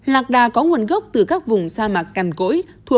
lạc đà có nguồn gốc từ các vùng sa mạc cằn cỗi thuộc